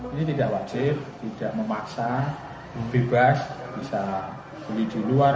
ini tidak wajib tidak memaksa bebas bisa beli di luar